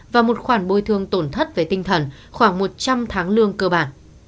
và một khoản bồi thương tổn thất về tinh thần khoảng một trăm linh tháng lương cơ bản